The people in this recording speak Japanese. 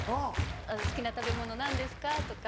「好きな食べ物何ですか？」とか。